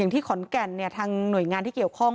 ที่ขอนแก่นทางหน่วยงานที่เกี่ยวข้อง